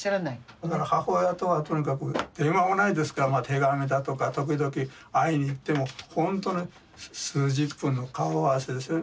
だから母親とはとにかく電話もないですから手紙だとか時々会いに行っても本当に数十分の顔合わせですね。